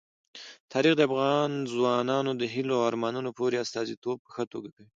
تاریخ د افغان ځوانانو د هیلو او ارمانونو پوره استازیتوب په ښه توګه کوي.